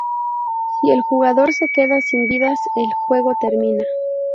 Si el jugador se queda sin vidas, el juego termina.